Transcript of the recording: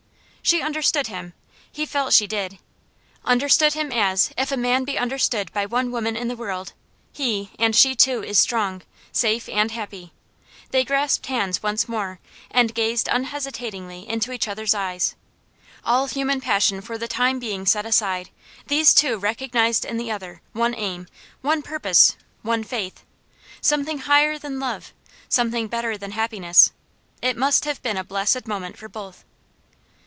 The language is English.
She understood him he felt she did; understood him as, if a man be understood by one woman in the world, he and she too is strong, safe, and happy. They grasped hands once more, and gazed unhesitatingly into each other's eyes. All human passion for the time being set aside, these two recognized each in the other one aim, one purpose, one faith; something higher than love, something better than happiness. It must have been a blessed moment for both.